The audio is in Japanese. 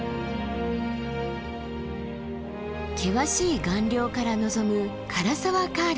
険しい岩稜から望む涸沢カール。